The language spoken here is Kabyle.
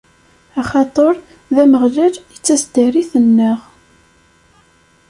Axaṭer d Ameɣlal i d taseddarit-nneɣ.